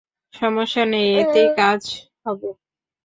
সমস্যা নেই, এতেই কাজ হবে।